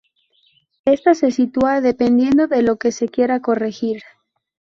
Esta se sitúa dependiendo de lo que se quiera corregir.